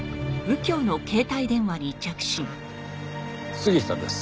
杉下です。